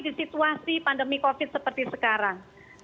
di situasi pandemi covid sembilan belas seperti sekarang